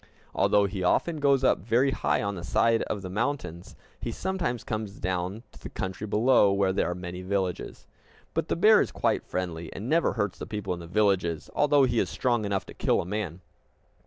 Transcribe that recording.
Although he often goes up very high on the side of the mountains, he sometimes comes down to the country below, where there are many villages. But the bear is quite friendly, and never hurts the people in the villages, although he is strong enough to kill a man.